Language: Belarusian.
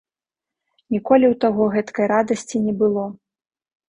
Ніколі ў таго гэткай радасці не было.